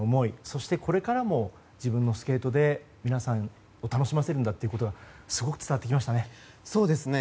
そしてこれからも自分のスケートで皆さんを楽しませるんだということがすごく伝わってきましたね。